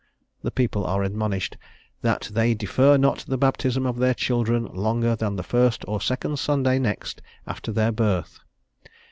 The people are admonished "that they defer not the Baptism of their children longer than the first or second Sunday next after their birth."